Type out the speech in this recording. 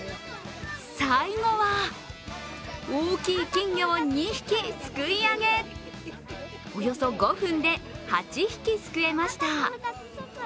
最後は大きい金魚を２匹すくい上げおよそ５分で８匹すくえました。